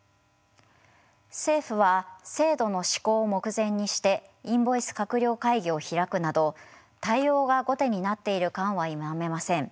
政府は制度の施行を目前にしてインボイス閣僚会議を開くなど対応が後手になっている感は否めません。